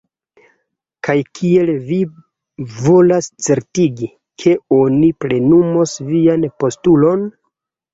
Kaj kiel vi volas certigi, ke oni plenumos vian postulon?